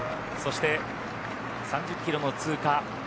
そして、３０キロの通過